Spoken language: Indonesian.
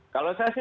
kalau saya sih